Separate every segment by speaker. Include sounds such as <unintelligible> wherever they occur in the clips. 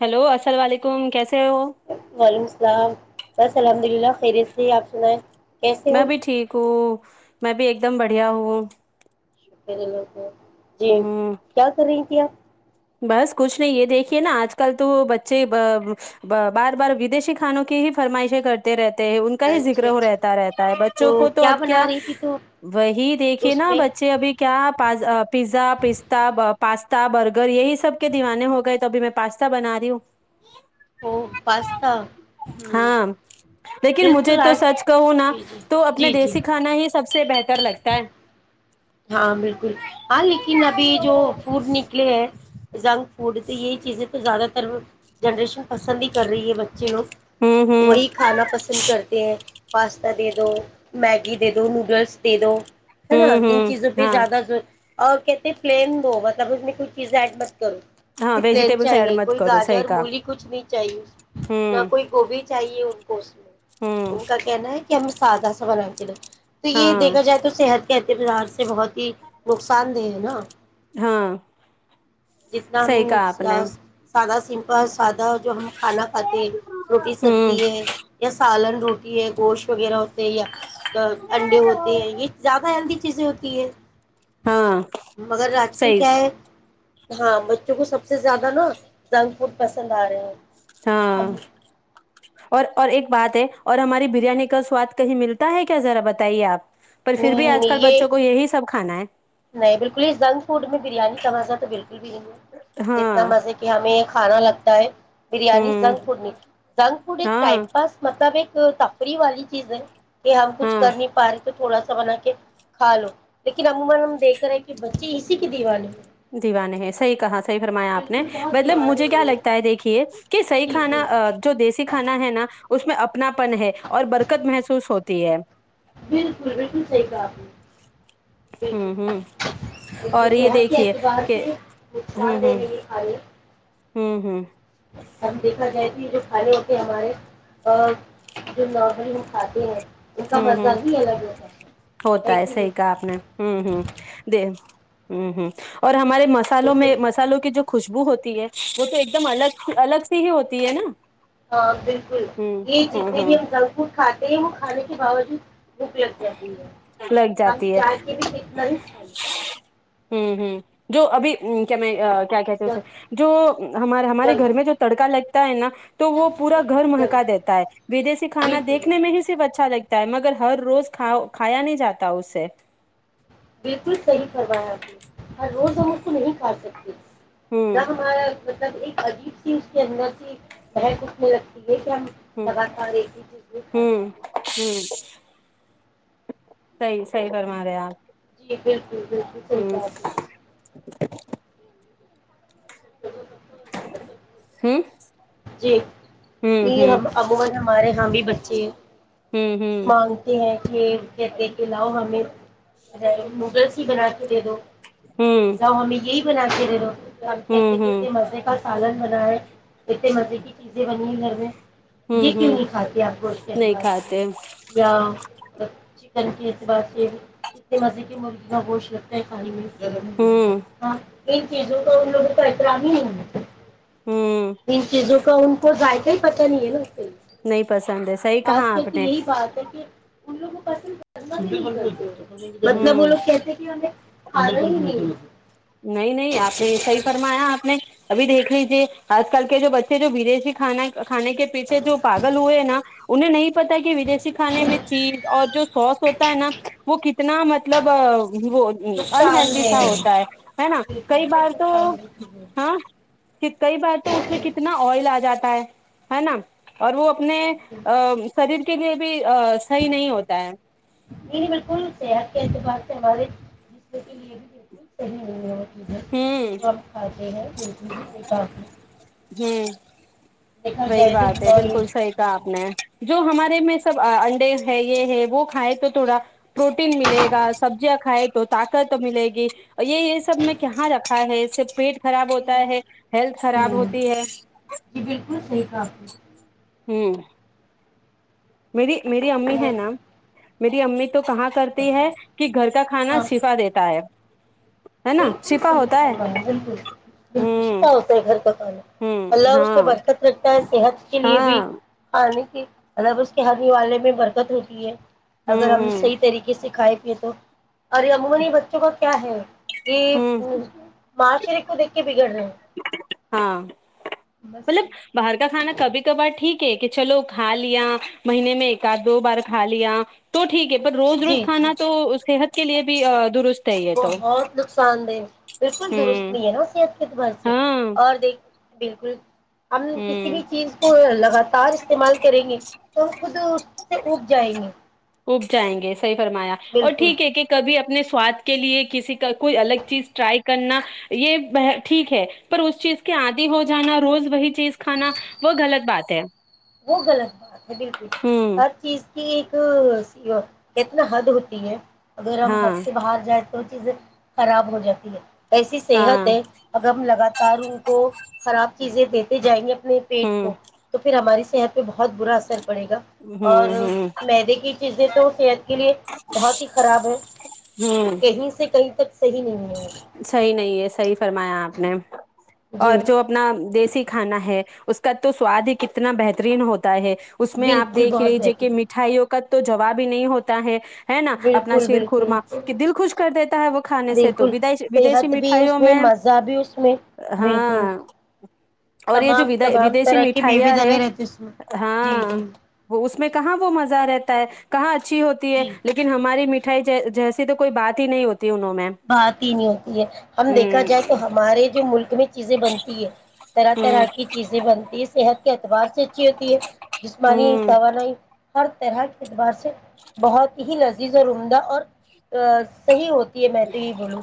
Speaker 1: Hello السلام علیکم کیس
Speaker 2: وعلیکم السلام بس الحمد للہ خیریت سے آپ سنایں
Speaker 1: میں بھی ٹھیک ہوں میں بھی ایک دم بڑھیا ہوں
Speaker 2: شکری لوگ <inaudible> جی
Speaker 1: ہ
Speaker 2: کیا کر رہی تھی آپ
Speaker 1: بس کچھ نہیں یہ دیکھیے نا آج کل تو بچے بار بار ودشی کھانوں کی ہی فرمائشیں کرتے رہتے ان کا ہی
Speaker 2: اچھا
Speaker 1: ذکر ہو
Speaker 2: اچھا
Speaker 1: رہتا رہتا ہے بچوں کو تو اب کیا
Speaker 2: بنا رہی تھی تو
Speaker 1: وہی دیکھے
Speaker 2: اس
Speaker 1: نا
Speaker 2: میں
Speaker 1: بچے ابھی کیا پ پیزا پستا پاستا برگرر اگر یہی سب کے دیوانے ہو گئے تو ابھی میں پاستا بنا رہی ہوں
Speaker 2: وہ پاستا ہوں
Speaker 1: ہاں لیکن مجھے
Speaker 2: بالکل
Speaker 1: تو
Speaker 2: آج
Speaker 1: سچ کہوں نا
Speaker 2: جی جی
Speaker 1: تو اپنے
Speaker 2: جی جی
Speaker 1: دیسی کھانا ہی سب سب سے بہتر لگتا ہے
Speaker 2: ہاں بالکل ہاں لیکن ابھی جو فوڈ نکلے جن <inaudible> فوڈ یہ چیزیں تو زیادہ تر جنریشن پسند ہی کر رہی ہے بچے لوگ
Speaker 1: ہ
Speaker 2: وہی کھانا
Speaker 1: ہ
Speaker 2: پسند کرتے ہیں پاستا دے دو میگی میگی دے دو نوڈلس دے دو
Speaker 1: ہوں ہوں
Speaker 2: زپی
Speaker 1: ہاں
Speaker 2: زیادہ ز اور کہتے پلین وہ مطلب اس میں کوئی چیزیں ایڈ ب و
Speaker 1: ہاں
Speaker 2: پلین
Speaker 1: ویجیٹیبلس ایڈ
Speaker 2: چاہیے
Speaker 1: مت
Speaker 2: کوئی
Speaker 1: کرو صحیح
Speaker 2: گاجر
Speaker 1: کہا
Speaker 2: مولی کچھ نہیں چاہیے نہ
Speaker 1: ہوں
Speaker 2: کوئی گوبھی چاہیے ان کو اس میں
Speaker 1: ہوں
Speaker 2: ان کا کہنا ہے کہ ہم سادہ سا بنا کے لیں تو یہ
Speaker 1: ہاں
Speaker 2: دیکھا جائے تو صحت کے یہ بازار <inaudible> سے بہت ہی نقصان دہ ہے نا
Speaker 1: ہاں
Speaker 2: جتنا
Speaker 1: صحیح
Speaker 2: ہم
Speaker 1: کہا آپ نے
Speaker 2: سادہ سمپس سادہ جو ہم کھانا کھاتے ہیں روٹی
Speaker 1: ہوں
Speaker 2: سبزی ہے یا سالن روٹی ہے گوشت وغیرہ ہوتے ہے یا انڈے ہوتے ہیں یہ زیادہ ہیلدی کز تھر
Speaker 1: ہاں
Speaker 2: مگر آجکل
Speaker 1: صحیح
Speaker 2: کیا ہے ہاں بچوں کو سب سے زیادہ نا جنک فڈ پسند آ رہے ہیں
Speaker 1: ہاں
Speaker 2: ہم
Speaker 1: اور اور ایک بات ہے اور ہماری بریانی کا سواد کہیں ملتا ہے کیا ذرا بتائیے آپ پر پھر
Speaker 2: نہیں
Speaker 1: بھی
Speaker 2: نہیں
Speaker 1: آج کل
Speaker 2: نہیں یہ
Speaker 1: بچوں کو یہی سب کھانا ہے
Speaker 2: نہیں بالکل ہی جنک فوڈ میں بریانی کا مزہ تو بالکل بھی نہیں جتنا
Speaker 1: ہاں
Speaker 2: مزے کہ ہمیں کھانا لگتا ہے بریانی
Speaker 1: ہوں
Speaker 2: زنک فڈ زنک فڈ ایک
Speaker 1: ہاں
Speaker 2: ٹائم پاس مطابق تو تفری والی چیز ہے یہ ہم کچھ
Speaker 1: ہاں
Speaker 2: کر نہیں پا رہے تھوڑا سا بنا کے کھا لو لیکن عمومن دیک رہا ہے کہ بچے اسی کی دیوان
Speaker 1: دیوان ہے صحی کہا صحیح فرمایا آپ نے
Speaker 2: بالکل بہت
Speaker 1: مطلب
Speaker 2: دیوانے
Speaker 1: مجھے
Speaker 2: ہو
Speaker 1: کیا
Speaker 2: رہے ہیں
Speaker 1: لگتا ہے دیکھیے کہ صحی
Speaker 2: جی جی
Speaker 1: کھانا جو دیسی کھانا ہے نا اس میں اپناپن ہے اور برکت محسوس ہوتی ہے
Speaker 2: بالکل بالکل صحیح کہا آپ نے
Speaker 1: ہوں
Speaker 2: بالکل
Speaker 1: ہوں
Speaker 2: بالکل
Speaker 1: اور یہ
Speaker 2: صحت کے
Speaker 1: دیکھیے
Speaker 2: اعتبار
Speaker 1: کہ
Speaker 2: سے
Speaker 1: ہوں
Speaker 2: نقصان
Speaker 1: ہ
Speaker 2: دہ ہے یہ
Speaker 1: ہوں ہوں
Speaker 2: ہم دیکھا جائے تھ جو کالے ہوتے ہمارے ا جو نارمل ہم کھاتے ہیں ان کا
Speaker 1: ہوں
Speaker 2: مزہ
Speaker 1: ہوں
Speaker 2: بھی الگ ہوتا ہے
Speaker 1: ہوتا ہے
Speaker 2: کہ نہیں
Speaker 1: صحی کہا آپ نے ہوں ہ دیک ہ ہوں اور ہمارے مسالوں
Speaker 2: بالکل
Speaker 1: میں مسالوں کی جو خوشبو ہوتی ہے وہ تو ایک دم الگ الگ سی ہی ہوتی ہے نا
Speaker 2: ہاں بالکل
Speaker 1: ہوں
Speaker 2: یہ
Speaker 1: ہوں
Speaker 2: جتنے بھی
Speaker 1: ہوں
Speaker 2: ہم جنک فوڈ کھاتے یہ م آنے کے باوجود لب رہتی ہے
Speaker 1: لگ
Speaker 2: ہم
Speaker 1: جاتی ہے
Speaker 2: چائے کے بھی کتنا ہی کھائے
Speaker 1: ہوں ہوں جو ابھی کیا میں کیا کہتے اسے
Speaker 2: جنک
Speaker 1: جو ہمارے ہمارے گھر میں
Speaker 2: جنک
Speaker 1: جو تڑکا لگ <inaudible> تو وہ پورا گھر مہکا
Speaker 2: جنک
Speaker 1: دیتا ہے ودی کھانا
Speaker 2: بالکل
Speaker 1: دیکھنے میں ہی صرف اچھا لگتا مگر ہر روز کھایا نہیں جاتا اسے
Speaker 2: بالکل صحیح کروایا آپ نے ہ روز ہم اس کو نہیں کھا سکتے جی
Speaker 1: ہوں
Speaker 2: ہمارے مطلب ایک عجیب سی اس کے اندر سےی بہک اٹھنے لگتی ہے یہ
Speaker 1: ہوں
Speaker 2: دب کا اور ایک ہی چیز بت خص
Speaker 1: ہوں ہوں صحیح صحیح فرما رہے آپ
Speaker 2: <inaudible> صحیح
Speaker 1: ہمم
Speaker 2: کہا آپ نے <inaudible>
Speaker 1: ہاں
Speaker 2: جی یہ امان ہمارے ہاں بھی بچے
Speaker 1: ہوں ہوں
Speaker 2: مانگتی ہیں یہ کہتےے کے لاؤ ہمیں <unintelligible> بنا کے دے دو
Speaker 1: ہوں ہوں
Speaker 2: تو ہم م یہ بنا کے دے لو
Speaker 1: ہوں
Speaker 2: کہتے
Speaker 1: ہوں
Speaker 2: کتے مزے کا پالک بنائے اتنے مزے کی چیزیں بنی ج <inaudible>
Speaker 1: ہوں
Speaker 2: یہ کیوں
Speaker 1: ہوں
Speaker 2: نہیں کھاتے ہیں آپ گوش کے
Speaker 1: نہیں
Speaker 2: الو
Speaker 1: کھاتے
Speaker 2: یا چل کے اعتبار سے اتنے مزے کے مرغی کا گوشت لگتا ہے پانی میں
Speaker 1: ہوں
Speaker 2: <unintelligible> چیزوں کا ان لوگوں کا احترام ہی نہیں ہو
Speaker 1: ہوں
Speaker 2: ان چیزوں کا ان کو ذائقہ ہی پتا نہیں ہے نا اس سے
Speaker 1: نہیں پسند ہے صحیح
Speaker 2: آج
Speaker 1: کہاں
Speaker 2: کل
Speaker 1: آپ
Speaker 2: تو
Speaker 1: نے
Speaker 2: یہی بات ہے کہ ان لوگوں پسند مطلب وہ
Speaker 1: ہوں
Speaker 2: لوگ کہتے کہ انیں ہ <unintelligible>
Speaker 1: نہیں نہیں آپ نے صحی فرمایا آپ نے ابھی دیکھ لیجے آج کل کے جو بچے جو ودیشی کھانا کھانے کے پیچھے جو پاگل ہوئے نا انہیں نہیں پتا کہ ودی کھانے میں چیز اور جو سوس ہوتا ہے نا وہ کتنا مطلب وہ
Speaker 2: نقصان دہ
Speaker 1: انہلدی سا ہوتا ہے ہے نا
Speaker 2: بالکل
Speaker 1: کئی بار
Speaker 2: بہت
Speaker 1: تو
Speaker 2: نقصان دہ چیزیں
Speaker 1: ہاں کئی بار تو اس میں کتنا آئل آ جاتا ہے ہے نا اور وہ اپنے
Speaker 2: جی جی
Speaker 1: شریر کے لیے بھی صحیح نہیں ہوتا ہے
Speaker 2: نہیں بلکل سے آپ کیا بات سوالے جسم کے لیے بھی بالکل صحیح نہیں ہے
Speaker 1: ہوں
Speaker 2: مھے وقت کھاتے ہیں بالکل سے کافی
Speaker 1: ہوں
Speaker 2: دیکھا
Speaker 1: وہی
Speaker 2: جائے تو
Speaker 1: بات ہے
Speaker 2: نالج
Speaker 1: بالکل صحیح کہ
Speaker 2: جی
Speaker 1: آپ نے جو ہمارے میں
Speaker 2: بالکل
Speaker 1: سب انڈے ہے یہ ہے وہ کھائے تو تھوڑا پروٹین ملے گا سبزیاں کھائے تو طاقت ملے گی یہ یہ سب میں کہاں رکھا ہے اس سے پیٹ خراب
Speaker 2: بالکل
Speaker 1: ہوتا
Speaker 2: نہیں
Speaker 1: ہے ہیلتھ
Speaker 2: کچھ بھی
Speaker 1: خراب ہوتی ہے
Speaker 2: ہفی
Speaker 1: ہوں میری میری امی ہے نا
Speaker 2: صحت
Speaker 1: میری امی تو کہاں
Speaker 2: ہاں
Speaker 1: کرتی ہے کہ گھر کا کھانا
Speaker 2: ہاں
Speaker 1: شفا دیتا ہے ہے نا
Speaker 2: بالکل
Speaker 1: شفا
Speaker 2: صحیح
Speaker 1: ہوتا
Speaker 2: کرا ہے بالکل بالکل
Speaker 1: ہوں
Speaker 2: چپا ہوتا ہے گھر کا کھانا
Speaker 1: ہوں
Speaker 2: اللہ اس پہ
Speaker 1: ہاں
Speaker 2: برکت رکھتا ہے صحت کے لیے بھی
Speaker 1: ہاں
Speaker 2: کھانے مطلب اس کے ہانی والے میں برکت ہوتی ہے اگر
Speaker 1: ہوں
Speaker 2: ہم
Speaker 1: ہوں
Speaker 2: صحیح طریقے سےکھھائے ارے ابو کو نہیں بچوں کا کیا ہے یہ
Speaker 1: ہوں
Speaker 2: ماشر کو دیک کے بگڑ رہے ہیں
Speaker 1: ہاں
Speaker 2: بس
Speaker 1: مطلب باہر کھانا کبھی کبار ٹھیک ہے کہ چلو کھا لیا مہینے میں ایک آدھ دو بار کھا لیا تو ٹھیک ہے پر روز
Speaker 2: جی
Speaker 1: روز
Speaker 2: جی جی
Speaker 1: کھانا تو صحت کے لیے بھی درست ہے یہ تو
Speaker 2: بہت نقصان دہ بالکل درست
Speaker 1: ہوں
Speaker 2: نہیں ہے نا اس ایک بھر سے
Speaker 1: ہاں
Speaker 2: اور دیکھ بالکل ہم کسی
Speaker 1: ہوں
Speaker 2: بھی چیز کو لگاتار استعمال کریں گے تو ہم خود اس سے اگ جائیں گے
Speaker 1: اگ جائیں گے صحیح فرمایا اور
Speaker 2: بالکل
Speaker 1: ٹھیک ہے کہ کبھی اپنے سواد کے لیے کسی کا کوئی الگ چیز ٹرائی کرنا یہ ٹھیک ہے پر اس چیز کے آدی ہو جانا روز وہی چیز کھانا وہ غلط بات ہے
Speaker 2: وہ غلط بات ہے بالکل
Speaker 1: ہوں
Speaker 2: ہر چیز کہ ایک کتنا حد ہوتی ہے اگر ہم
Speaker 1: ہاں
Speaker 2: ہد سے باہر جائیں تو چیزیں خراب ہو جاتی ہے ایسی صحت
Speaker 1: ہاں
Speaker 2: ہے اگر ہم لگاتار ان کو خراب چیزیں دی جائیں گے اپنے پیٹ
Speaker 1: ہوں
Speaker 2: کو تو پھر ہماری یہ، تو ب بہت برا اثر پڑے گا اور
Speaker 1: ہوں ہوں
Speaker 2: مدے کی چیزیں تو صحت کے لیے بہت ہی خراب ہے
Speaker 1: ہوں
Speaker 2: کہیں سے کہیں تک صحی نہیں ہے
Speaker 1: صحیح نہیں ہے صحیح فرمایا آپ نے اور
Speaker 2: جی
Speaker 1: جو اپنا دیسی کھانا ہے اس کا تو سواد ہی کتنا بہترین ہوتا ہے اس میں آپ
Speaker 2: بالکل
Speaker 1: دیکھ
Speaker 2: بہت
Speaker 1: لیجیے کہ
Speaker 2: بہترین
Speaker 1: مٹھائیوں کو کا تو جواب ہی نہیں ہوتا ہے <unintelligible> ہے نا اپنا
Speaker 2: بالکل
Speaker 1: شیر خورما
Speaker 2: بالکل
Speaker 1: کہ دل خوش کر دیتا ہے وہ کھانے سے تو
Speaker 2: بالکل
Speaker 1: ودشی
Speaker 2: صحت بھی اس
Speaker 1: مٹھائیوں میں
Speaker 2: مزہ بھی اس میں بالکل
Speaker 1: ہاں اور یہ جو
Speaker 2: تمام تمام
Speaker 1: ودیشی
Speaker 2: طرح کے میوے
Speaker 1: مٹھائیاں ہے
Speaker 2: دلے رہتے اس میں جی
Speaker 1: ہاں
Speaker 2: جی
Speaker 1: وہ اس میں کہاں وہ مزہ رہتا ہے کہاچ <unintelligible> چی ہوتی ہے
Speaker 2: جی
Speaker 1: لیکن ہماری میٹی جیسی تو کوئی بات ہی نہیں ہوتی ت ہوونو میم
Speaker 2: بات ہی
Speaker 1: <unintelligible>
Speaker 2: ہوتی ہے ہم دیکھا جائے تو ہمارے جو ملک میں چیزیں بنتی ہے طرح
Speaker 1: ہ
Speaker 2: طرح کی چیزیں بنتی ہے صحت اعتبار سے اچھی ہوتی ہے جسمانی
Speaker 1: ہ
Speaker 2: توانائی ہر طرح کے اعتبار سے بہت یہ لذیذ اور عمدہ اور صحیح ہوتا میں تو یہ بولوں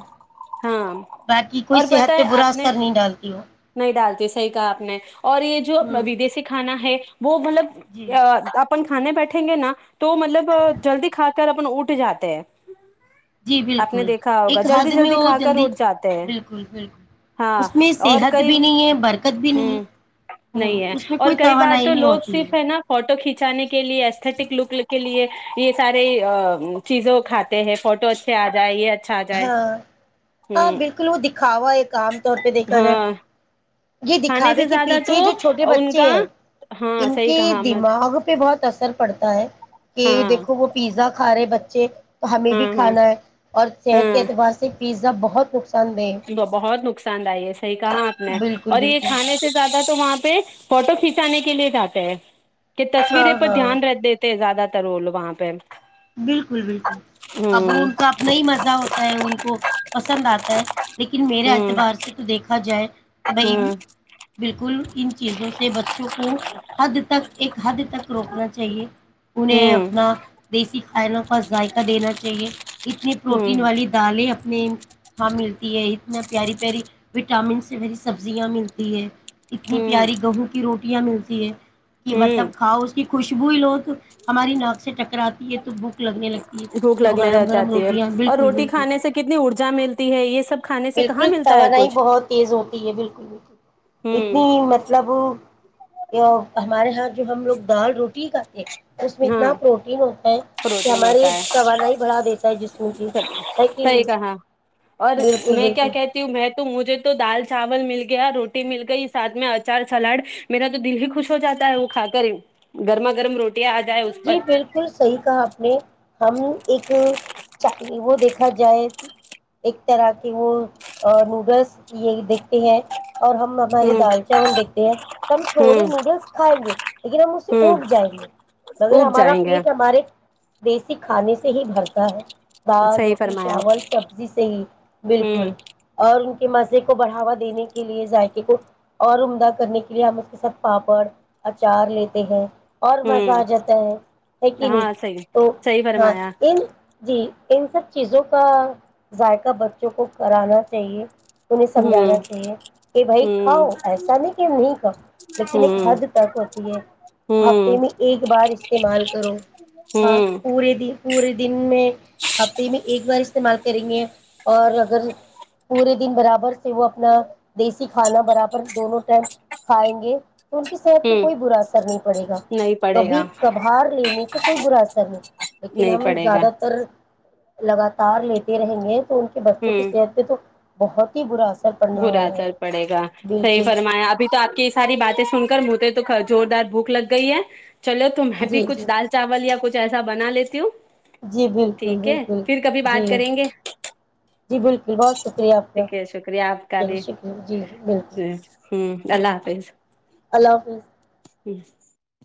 Speaker 1: ہاں
Speaker 2: باقی کوئی
Speaker 1: اور پت
Speaker 2: صحت
Speaker 1: ہے
Speaker 2: پہ برا
Speaker 1: آپ نے
Speaker 2: اثر نہیں ڈالتی ہو
Speaker 1: نہیں ڈالتی صحیح کہا آپ نے اور یہ جو
Speaker 2: ہ
Speaker 1: ودیسیی کھانا ہے وہ مطلب
Speaker 2: جی
Speaker 1: اپن کھانے بیٹھیں گے نا تو مطلب جلدی کھا کر اپ اٹھ جاتے ہیں
Speaker 2: جی
Speaker 1: آپ نے
Speaker 2: بالکل
Speaker 1: دیکھا ہوگا
Speaker 2: ایک
Speaker 1: جلدی
Speaker 2: حد میں
Speaker 1: جلدی
Speaker 2: ہو
Speaker 1: کھا کر اٹھ جاتے ہیں
Speaker 2: بالکل بالکل
Speaker 1: ہاں
Speaker 2: اس میں
Speaker 1: اور
Speaker 2: صحت
Speaker 1: کئی
Speaker 2: بھی نہیں ہے برکت بھی
Speaker 1: ہ
Speaker 2: نہیں ہے ہ
Speaker 1: نہیں ہے
Speaker 2: اس میں
Speaker 1: اور
Speaker 2: کوئی
Speaker 1: کئی بار
Speaker 2: توانائی
Speaker 1: تو
Speaker 2: نہیں
Speaker 1: لوگ
Speaker 2: ہوتی
Speaker 1: صرف ہے نا فوٹو کھینچانے کے لیے ایھٹک لک کے لیے یہ سارے چیزوں کھاتے ہیں فوٹو آ جائیے
Speaker 2: ہاں ہاں بالکل وہ دکھاوا ایک عام طور پہ دیکھا جائے
Speaker 1: ہاں
Speaker 2: یہ
Speaker 1: کھانے
Speaker 2: دکھاوے
Speaker 1: سے
Speaker 2: کے
Speaker 1: زیادہ تو
Speaker 2: پیچھے جو چھوٹے
Speaker 1: ان
Speaker 2: بچے
Speaker 1: کا
Speaker 2: ہیں
Speaker 1: ہاں
Speaker 2: ان
Speaker 1: صحیح
Speaker 2: کے
Speaker 1: کہا ہاں
Speaker 2: دماغ پہ بہت اثر پڑتا ہے کہ دیکھو وہ پیزا کھا رہے بچے تو ہمیں بھی
Speaker 1: ہاں ہاں
Speaker 2: کھانا ہے اور صحت کے
Speaker 1: ہاں
Speaker 2: اعتبار سے پیزا بہت نقصان دہ ہے۔
Speaker 1: بہت نقصان دہ یہ صحیح کہا آپ نے
Speaker 2: بالکل
Speaker 1: اور یہ
Speaker 2: بالکل
Speaker 1: کھانے سے زیادہ تو وہاں پہ فوٹو کھینچانے کے لیے جات ہیں کہ تصویریں
Speaker 2: ہاں
Speaker 1: پر
Speaker 2: ہاں
Speaker 1: دھیانکھ دیتے زیادہ رول وہاں پہ
Speaker 2: بالکل بالکل اب
Speaker 1: ہوں
Speaker 2: وہ ان کا اب ن ہی مزہ ہوتا ہے ان کو پسند آتا ہے لیکن میرے
Speaker 1: ہوں
Speaker 2: اعتبار سے تو دیکھا جائے
Speaker 1: ہوں
Speaker 2: بالکل ان چیزوں سے بچوں کو حد تک ایک حد تک روکنا چاہیے انہیں
Speaker 1: ہوں
Speaker 2: اپنا دیسی کھانوں کا ذائقہ دینا چاہیے اتنی پروٹین
Speaker 1: ہوں
Speaker 2: والی دالیں ہاں ملتی ہے اتنا پیاری پیاری وٹامن سے بری سبزیاں ملتی ہے اتنی
Speaker 1: ہوں
Speaker 2: پیاری گہو کی روٹی ٹیاں ملتی ہیں کہ مطلب
Speaker 1: ہوں
Speaker 2: کھاؤ اس کی خوشبو لو تو ہماری ناک سے ٹکراتا تو بھوک لگنے لگتی ہے
Speaker 1: بھوک
Speaker 2: جب
Speaker 1: لگنے لگ
Speaker 2: گرم گرم
Speaker 1: جاتی ہے
Speaker 2: روٹیاں
Speaker 1: اور
Speaker 2: بالکل
Speaker 1: روٹی
Speaker 2: بالکل
Speaker 1: کھانے سے کتنی ارجا ملتی ہے یہ سب کھانے سے کہاں
Speaker 2: بالکل
Speaker 1: ملتا ہے
Speaker 2: توانائی
Speaker 1: کچھ
Speaker 2: بہت تیز ہوتی ہے بالکل بالکل
Speaker 1: ہوں
Speaker 2: اتنی مطلب ہمارے یہاں جو ہم لوگ دال روٹی اس میں اتنا
Speaker 1: ہاں
Speaker 2: پروٹین ہو ہے کہ
Speaker 1: پروٹین
Speaker 2: ہمارے
Speaker 1: ہوتا ہے
Speaker 2: تواناائی بڑھا دیتا ہے جسم کی ہے کہ نہیں
Speaker 1: صحیح کہا اور
Speaker 2: بالکل
Speaker 1: میں کیا
Speaker 2: بالکل
Speaker 1: کہتی ہوں میں تو مجھے تو دال چاول مل گیا روٹی مل گئیاتھ میں اچار سلاڈ میرا تو دل ہی خوش ہو جاتا ہے وہ کھا کر ہی گرما روڈ <inaudible>
Speaker 2: جی بالکل صحیح کہا آپ نے ہم ایک چ وہ دیکھ ا جائے ایک طرح کے وہ نوڈلس یہ دیکھتے ہیں اور ہمارے
Speaker 1: ہ
Speaker 2: دال چاول دیکھتے ہیں ہم
Speaker 1: ہ
Speaker 2: تھوڑے نوڈلس کھائیں گے لیکن ہم اسے
Speaker 1: ہ
Speaker 2: اگ جائیں گے اگر
Speaker 1: اوب
Speaker 2: ہمارا
Speaker 1: جائیں گے
Speaker 2: پیٹ ہمارے دیسی کھانے سے ہی بھرتا ہے دال
Speaker 1: صحیح
Speaker 2: روٹی
Speaker 1: فرمایا
Speaker 2: چاول سبزی صی
Speaker 1: ہوں
Speaker 2: بالکل اور ان کی کے مزے کو بڑھوا دینے کے لیے ذائقے کو اور عمدہ کرنے کے لیے ہم اس کے ساتھ پاپڑ اچار لیتے ہیں اور
Speaker 1: ہوں
Speaker 2: مزاجت ہے ہے کہ نہیں
Speaker 1: ہاں صحیح
Speaker 2: تو
Speaker 1: صحیح
Speaker 2: ہاں
Speaker 1: فرمایا
Speaker 2: ان جی ان سب چیزوں کا ذائقہ بچوں کو کرانا چاہیے انہیں سمجھانا
Speaker 1: ہوں
Speaker 2: چاہیے کہ بھائی
Speaker 1: ہوں
Speaker 2: کھاؤ ایسا نہیں کہ ہم نہیں کھاؤ لیکن ایک
Speaker 1: ہوں
Speaker 2: حد تک ہوتی ہے ہفتے
Speaker 1: ہوں
Speaker 2: میں ایک بار کرو ہاں
Speaker 1: ہوں
Speaker 2: پورے دن پورے دن میں ہفتے میں ایک بار استعمال کریں گے اور اگر پورے دن برابر وہ اپنا دیسی کھانا برابر دونوں ٹائم کھائیں گے تو ان کی صحت پہ
Speaker 1: ہوں
Speaker 2: کوئی برا اثر نہیں پڑے گا
Speaker 1: نہیں پڑے
Speaker 2: کبھی
Speaker 1: گا
Speaker 2: کبھار لینے سے کوئی برا اثا نہیں لیکن
Speaker 1: نہیں
Speaker 2: ہم
Speaker 1: پڑے گا
Speaker 2: زیادہ تر لگاتار لیتے رہیں گے تو ان کے بچوں کی
Speaker 1: ہوں
Speaker 2: صحت میں تو بہت ہی برا پڑنے
Speaker 1: برا
Speaker 2: والا ہے
Speaker 1: اثر پڑے گا صحیح
Speaker 2: بالکل
Speaker 1: فرمایا ابھی تو آپ کی یہ ساری باتیں سن کر بتے تو زوردار بھوک لگ گئی ہے چلو تمہیں بھی
Speaker 2: جی جی
Speaker 1: کچھ دال چاول یا کچھ جیسا بنا لیتی ہوں
Speaker 2: جی بالکل
Speaker 1: ٹھیک ہے
Speaker 2: بالکل
Speaker 1: پھر کبھی
Speaker 2: جی
Speaker 1: بات کریں گے
Speaker 2: جی بالکل بہت شکریہ آپ کا
Speaker 1: ب
Speaker 2: چلیے
Speaker 1: کاری
Speaker 2: شکریہ جی جی بالکل
Speaker 1: ہ <inaudible> اللہ حافظ
Speaker 2: اللہ حافظ
Speaker 1: جٹ <inaudible>